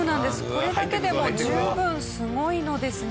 これだけでも十分すごいのですが。